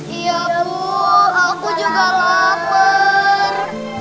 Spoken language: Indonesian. iya bu aku juga lapar